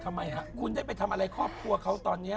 ทำไมฮะคุณได้ไปทำอะไรครอบครัวเขาตอนนี้